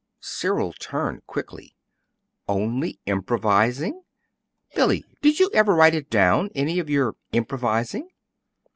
Cyril turned quickly. "Only improvising! Billy, did you ever write it down any of your improvising?"